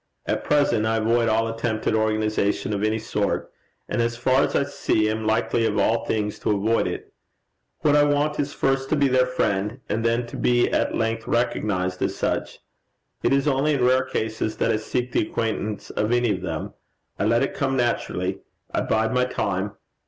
At present I avoid all attempt at organization of any sort, and as far as I see, am likely of all things to avoid it. What I want is first to be their friend, and then to be at length recognized as such. It is only in rare cases that I seek the acquaintance of any of them: I let it come naturally. I bide my time.